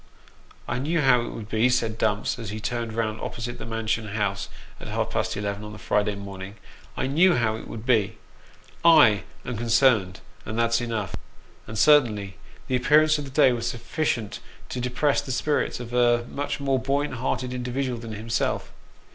" I knew how it would be," said Dumps, as he turned round opposite the Mansion House at half On the Way to the Christening. 359 past eleven o'clock on the Friday morning. " I knew how it would be. / am concerned, and that's enough ;" and certainly the appear ance of the day was sufficient to depress the spirits of a much more buoyant hearted individual than himself.